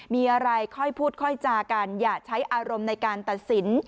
มีอะไรค่อยพูดค่อยจากันอย่าใช้อารมณ์ในการตัดสิน